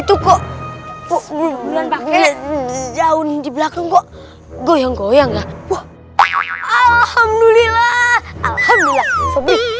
itu kok belum pakai jauh di belakang kok goyang goyang alhamdulillah alhamdulillah